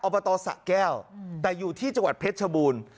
บตสะแก้วแต่อยู่ที่จังหวัดเพชรชบูรณ์